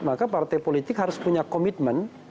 maka partai politik harus punya komitmen